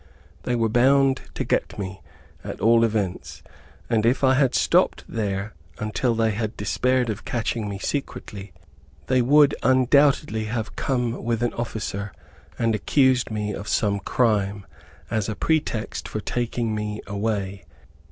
They were bound to get me, at all events, and if I had stopped there until they despaired of catching me secretly, they would undoubtedly have come with an officer, and accused me of some crime, as a pretext for taking me away.